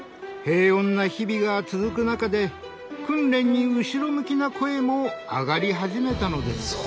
平穏な日々が続く中で訓練に後ろ向きな声も上がり始めたのです。